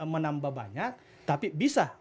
menambah banyak tapi bisa